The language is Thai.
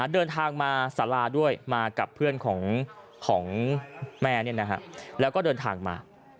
เดินทางมาสาราด้วยมากับเพื่อนของแม่แล้วก็เดินทางมา